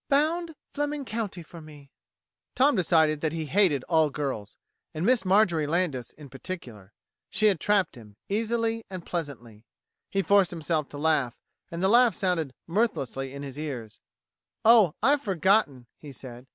"Bound Fleming County for me." Tom decided that he hated all girls, and Miss Marjorie Landis in particular. She had trapped him, easily and pleasantly. He forced himself to laugh, and the laugh sounded mirthlessly in his ears. "Oh, I've forgotten," he said.